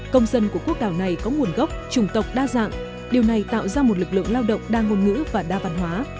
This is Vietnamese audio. công dân của quốc đảo này có nguồn gốc trùng tộc đa dạng điều này tạo ra một lực lượng lao động đa ngôn ngữ và đa văn hóa